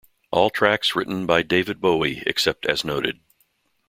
All tracks written by David Bowie except as noted.